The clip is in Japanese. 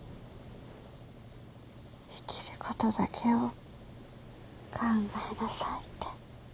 生きることだけを考えなさいって。